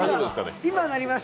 今、なりました。